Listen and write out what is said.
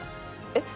えっ？